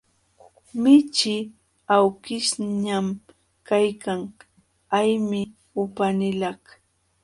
Michii awkishñam kaykan, haymi upanilaq.